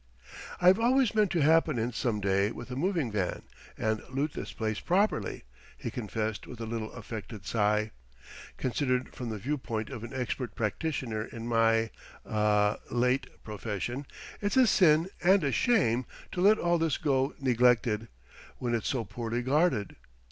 "I've always meant to happen in some day with a moving van and loot this place properly!" he confessed with a little affected sigh. "Considered from the viewpoint of an expert practitioner in my ah late profession, it's a sin and a shame to let all this go neglected, when it's so poorly guarded.